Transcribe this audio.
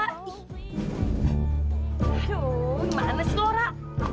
aduh manis lo ra